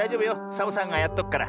サボさんがやっとくから。